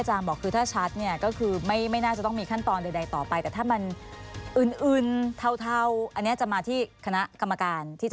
แบบนี้แบบนี้แบบนี้แบบนี้แบบนี้แบบนี้แบบนี้แบบนี้แบบนี้แบบนี้